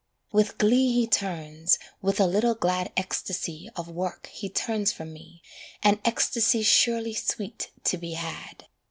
With glee he turns, with a little glad Ecstasy of work he turns from me, An ecstasy surely sweet to be had.